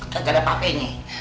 gak ada pake ini